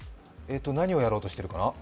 何をやろうとしてるかな。